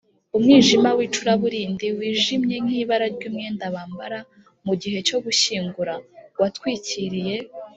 umwijima w’icuraburindi, wijimye nk’ibara ry’umwenda bambara mu gihe cyo gushyingura, watwikiriye